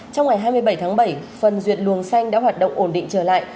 trong ngày hai mươi bảy tháng bảy phần ruột luồng xanh đã hoạt động ổn định trở lại